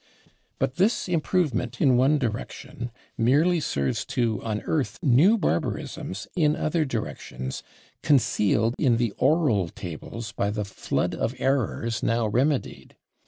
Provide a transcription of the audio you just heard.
But this improvement in one direction merely serves to unearth new barbarisms in other directions, concealed in the oral tables by the flood of errors now remedied.